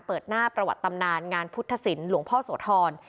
เปิดหน้าประวัติตำนานงานพุทธศิลป์หลวงพ่อโสธร